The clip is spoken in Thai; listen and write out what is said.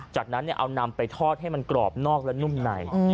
จากนั้นเอานำไปทอดให้มันกรอบนอกและนุ่มใน